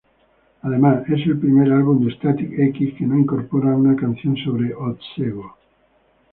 Además, es el primer álbum de Static-X que no incorpora una canción sobre "otsego".